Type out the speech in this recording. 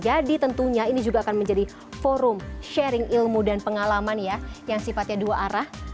jadi tentunya ini juga akan menjadi forum sharing ilmu dan pengalaman ya yang sifatnya dua arah